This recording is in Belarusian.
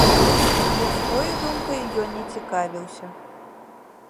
Людскою думкаю ён не цікавіўся.